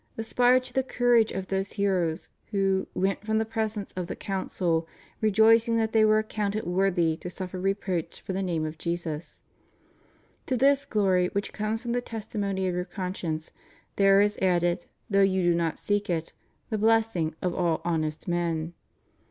Aspire to the courage of those heroes who went from the presence of the Council rejoicing that they were accounted worthy to suffer reproach for the name of Jesus} To this glory which comes from the testimony of your conscience, there is added, tiioiigh you do not seek it, the blessing of all honest men.